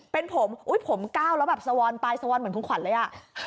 เป็นผมผมก้าวแล้วแบบสวอนไปสวอนเหมือนคุณขวัญเลยอ่ะ